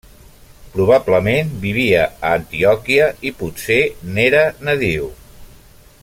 Probablement vivia a Antioquia i potser n'era nadiu.